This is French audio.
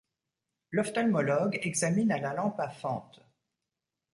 L’ophtalmologue examine à la lampe à fente.